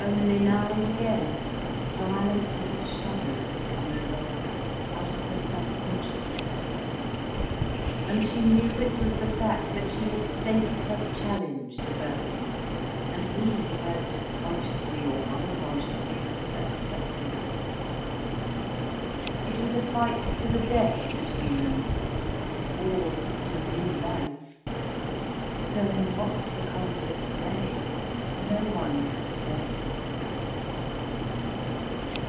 Only now and again, violent little shudders would come over her, out of her subconsciousness, and she knew it was the fact that she had stated her challenge to Birkin, and he had, consciously or unconsciously, accepted. It was a fight to the death between them—or to new life: though in what the conflict lay, no one could say.